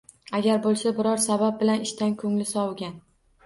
Agar bo‘lsa biror sabab bilan ishdan ko‘ngli sovigan.